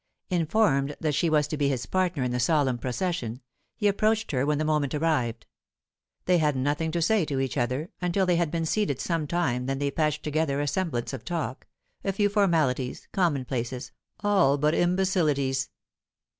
Informed that she was to be his partner in the solemn procession, he approached her when the moment arrived. They had nothing to say to each other, until they had been seated some time then they patched together a semblance of talk, a few formalities, commonplaces, all but imbecilities.